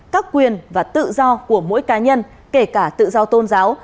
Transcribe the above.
các quyền và tự do của mỗi cá nhân kể cả tự do tôn giáo